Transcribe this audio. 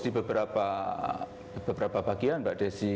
di beberapa bagian mbak desi